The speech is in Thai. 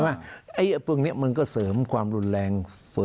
ไอ้ปืนเนี่ยมันก็เสริมความรุนแรง